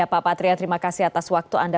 pak patria terima kasih atas waktu anda